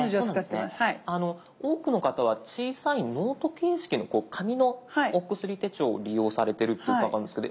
多くの方は小さいノート形式のこう紙のお薬手帳を利用されてるって伺うんですけど